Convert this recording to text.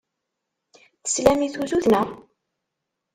Teslamt i tusut, naɣ?